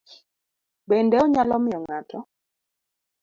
Bende onyalo miyo ng'ato